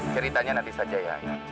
ceritanya nanti saja ya